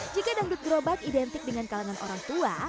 jika dangdut gerobak identik dengan kalangan orang tua